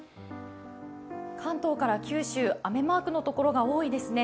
関東から九州、雨マークのところが多いですね。